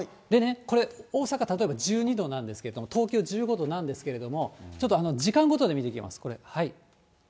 これね、大阪、例えば、１２度なんですけれども、東京１５度なんですけれども、ちょっと時間ごとに見ていきます、これ。